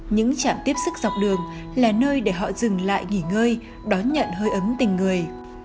những trạm tiếp sức dọc đường là nơi để họ dừng lại nghỉ ngơi đón nhận hơi ấm tình người